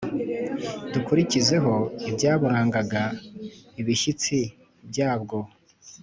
dukurikizeho ibyaburangaga ibishyitsi byabwo